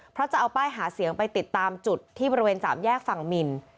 เพราะจะเอาป้ายหาเสียงไปติดตามจุดที่บริเวณสามแยกฝั่งมิน